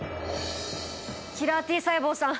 キラーＴ細胞さん！